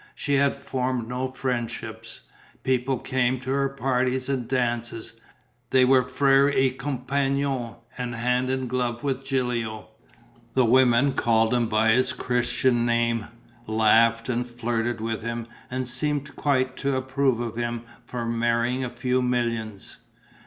She had formed no friendships. People came to her parties and dances: they were frère et compagnon and hand and glove with Gilio; the women called him by his Christian name, laughed and flirted with him and seemed quite to approve of him for marrying a few millions.